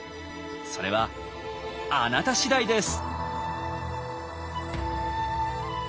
それはあなた次第です！